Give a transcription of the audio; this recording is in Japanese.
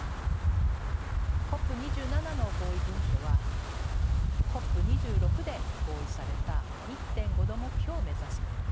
ＣＯＰ２７の合意文書はＣＯＰ２６で合意された１．５℃目標を目指すこと